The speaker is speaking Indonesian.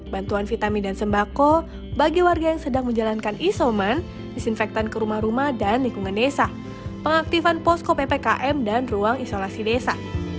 bantuan vitamin dan sembako bagi warga yang sedang menjalankan isoman disinfektan ke rumah rumah dan lingkungan desa pengaktifan posko ppkm dan ruang isolasi desa